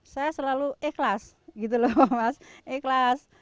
saya selalu ikhlas gitu loh mas ikhlas